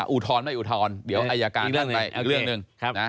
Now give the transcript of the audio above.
อุทธรณ์ไม่อุทธรณ์เดี๋ยวอายการเลื่อนไปอีกเรื่องหนึ่ง